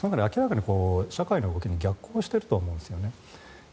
明らかに社会の動きに逆行していると思うんですね。